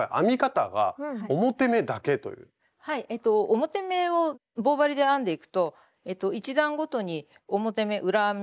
表目を棒針で編んでいくと１段ごとに表目裏目